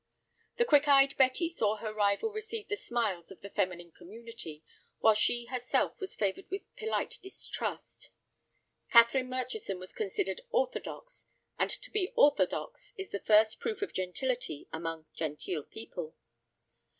The quick eyed Betty saw her rival receive the smiles of the feminine community, while she herself was favored with polite distrust. Catherine Murchison was considered orthodox, and to be orthodox is the first proof of gentility among genteel people.